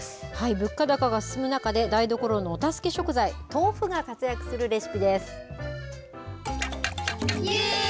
物価高が進む中で、台所のお助け食材、豆腐が活躍するレシピ